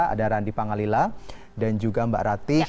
ada randi pangalila dan juga mbak ratih